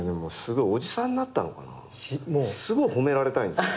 すごい褒められたいんですよ。